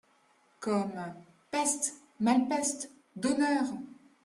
Comme : peste ! malpeste ! d’honneur !…